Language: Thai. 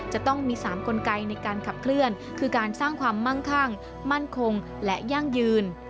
จะต้องมี๓กลไกในการขับเคลื่อนคือการสร้างความมั่งคั่งมั่นคงและยั่งยืน